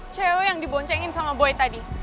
cewek yang diboncengin sama boy tadi